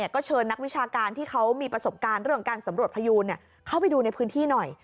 ก็เชิญนักวิชาการที่เขามีประสบการณ์เรื่องการสำรวจพยูนเข้าไปดูในพื้นที่หน่อย